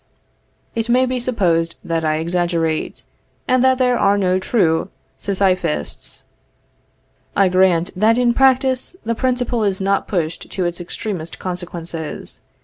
It may be supposed that I exaggerate, and that there are no true Sisyphists. I grant that in practice the principle is not pushed to its extremest consequences.